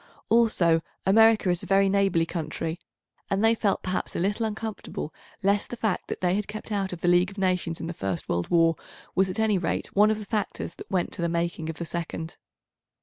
Also, America a very neighbourly country, and they felt perhaps a little uncomfortable lest the fact that they had kept out of the League of Nations in the first World War was at any rate one of the factors that went to the making of the second.